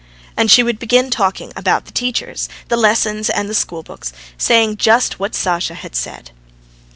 And she would begin talking about the teachers, the lessons, and the school books, saying just what Sasha said.